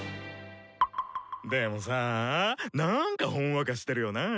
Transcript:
でもさなんかほんわかしてるよなあ